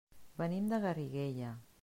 Venim de Garriguella.